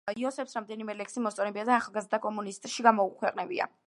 იოსებს რამდენიმე ლექსი მოსწონებია და „ახალგაზრდა კომუნისტში“ გამოუქვეყნებია.